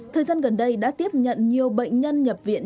thời gian gần đây đã tiếp nhận nhiều bệnh nhân nhập viện